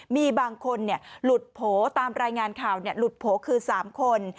มีบางคนเนี่ยหลุดโผตามรายงานข่าวเนี่ยหลุดโผคือสามคน